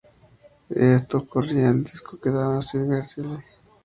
Si esto ocurría, el disco quedaba inservible.